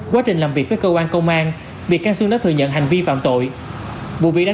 quá trình làm việc với cơ quan công an bị can xương đã thừa nhận hành vi phạm tội